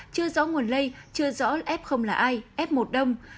chưa rõ nguồn lây chưa rõ f là i f một đông